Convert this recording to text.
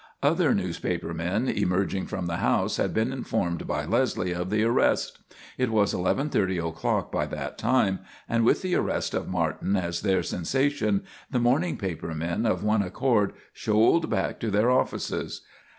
Other newspaper men emerging from the house had been informed by Leslie of the arrest. It was 11.30 o'clock by that time, and, with the arrest of Martin as their sensation, the morning paper men of one accord shoaled back to their offices.